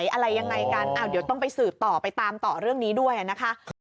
ก็เรียกร้องให้ตำรวจดำเนอคดีให้ถึงที่สุดนะ